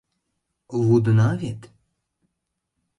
— Лудына вет?